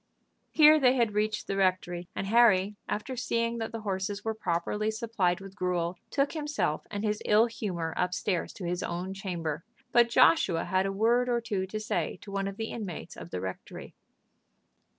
Here they had reached the rectory, and Harry, after seeing that the horses were properly supplied with gruel, took himself and his ill humor up stairs to his own chamber. But Joshua had a word or two to say to one of the inmates of the rectory.